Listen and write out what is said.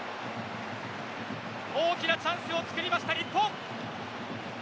大きなチャンスを作りました日本！